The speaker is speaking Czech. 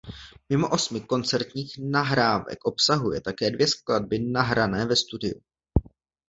Mimo osmi koncertních nahrávek obsahuje také dvě skladby nahrané ve studiu.